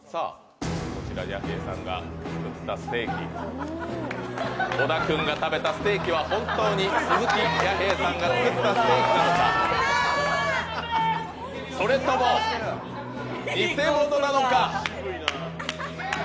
こちら弥平さんが作ったステーキ、小田君が食べたステーキは本当に鈴木弥平さんが作ったステーキなのか、それとも、偽物なのか。